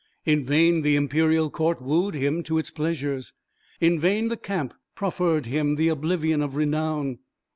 In vain the imperial court wooed him to its pleasures; in vain the camp proffered him the oblivion of renown.